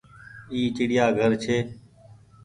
اي چڙيآ گهر ڇي۔